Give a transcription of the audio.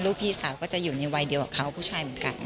พี่สาวก็จะอยู่ในวัยเดียวกับเขาผู้ชายเหมือนกัน